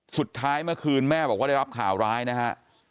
สุดท้ายเมื่อคืนแม่บอกว่าได้รับข่าวร้ายนะฮะ